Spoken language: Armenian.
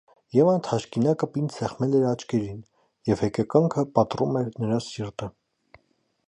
Եվան թաշկինակը պինդ սեղմել էր աչքերին, և հեկեկանքը պատռում էր նրա սիրտը: